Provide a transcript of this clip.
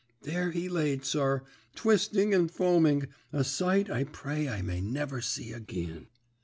There he laid, sir, twisting and foaming, a sight I pray I may never see agin.